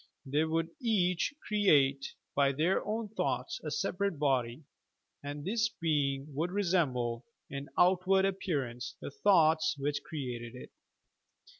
They would each create, by their own thoughts, a separate body, and this being would resemble, in outward appearance, the thoughts which created it.